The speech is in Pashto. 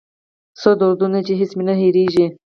څو دردونه دي چې هېڅ مې نه هېریږي